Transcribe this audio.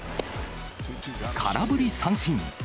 空振り三振。